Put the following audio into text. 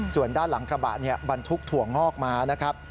ส่วนด้านหลังกระบะบรรทุกถั่วงอกมานะครับ